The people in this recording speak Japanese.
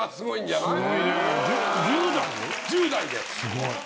すごいね。